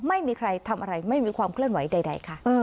ไม่มีใครทำอะไรไม่มีความเคลื่อนไหวใดค่ะ